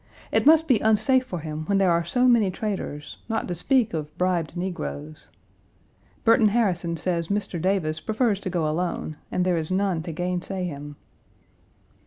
It must be unsafe for him when there are so many traitors, not to speak of bribed negroes. Burton Harrison1 says Mr. Davis prefers to go alone, and there is none to gainsay him.